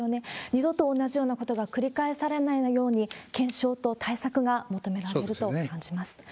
二度と同じようなことが繰り返されないように、検証と対策が求められると感じます。